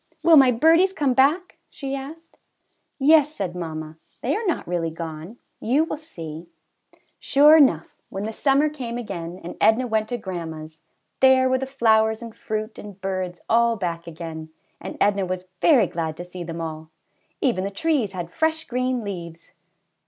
"Will my birdies come back?" she asked. "Yes," said mamma, "they are not really gone, you will see." 172 "ALL'S GONE.' Sure enough, when the summer came again, and Edna went to grandma's, there were the flowers and fruit and birds all back again, and Edna was very glad to see them all. Even the trees had fresh green leaves.